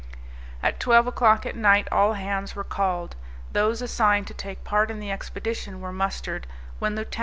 At twelve o'clock at night, all hands were called, those assigned to take part in the expedition were mustered, when Lieut.